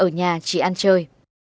nhà chỉ ăn chơi